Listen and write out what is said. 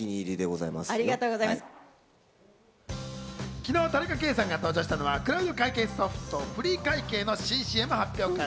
昨日、田中圭さんが登場したのはクラウド会計ソフト・ｆｒｅｅｅの新ＣＭ発表会